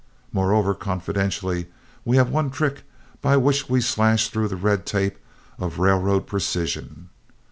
Moreover, confidentially, we have one trick by which we slash through the red tape of railroad precision.